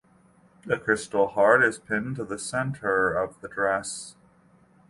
The crystal heart is pinned to the centre of the dress.